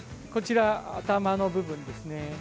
こちら頭の部分ですね。